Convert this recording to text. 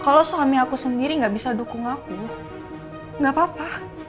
kalau suami aku sendiri gak bisa dukung aku nggak apa apa